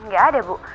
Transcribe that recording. gak ada bu